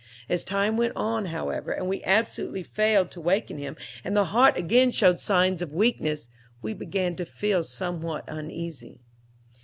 As time went on, however, and we absolutely failed to waken him, and the heart again showed signs of weakness, we began to feel somewhat uneasy.